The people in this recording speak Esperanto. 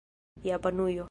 Japanujo